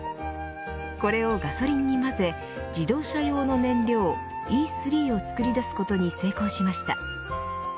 これをガソリンに混ぜ自動車用の燃料Ｅ３を作り出すことに成功しました。